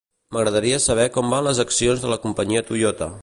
M'agradaria saber com van les accions de la companyia Toyota.